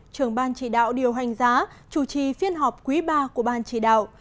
trưởng ban chỉ đạo điều hành giá chủ trì phiên họp quý ba của ban chỉ đạo